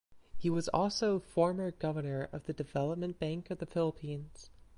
He was also former Governor of the Development Bank of the Philippines.